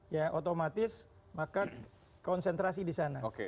ya otomatis maka konsentrasi disana